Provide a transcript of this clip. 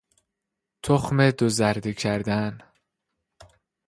تخم دوزرده کردن